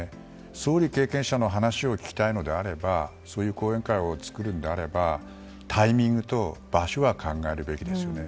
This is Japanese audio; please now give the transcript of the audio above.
総理経験者の話を聞きたいのであればそういう講演会を作るのであればタイミングと場所は考えるべきですよね。